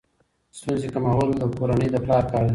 ستونزې کمول د کورنۍ د پلار کار دی.